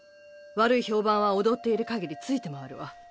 悪い評判は踊っているかぎり付いて回るわ。